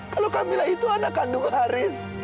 kalau kamila itu anak kandung haris